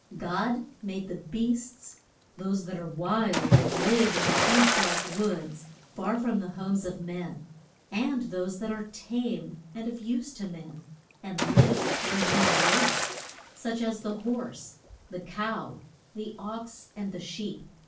God made the beasts: those that are wild and live in the deep, dark woods, far from the homes of men; and those that are tame and of use to men, and live where men live such as the horse, the cow, the ox and the sheep.